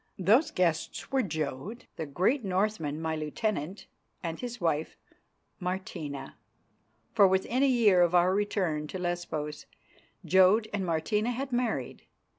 Those guests were Jodd, the great Northman, my lieutenant, and his wife, Martina, for within a year of our return to Lesbos Jodd and Martina had married.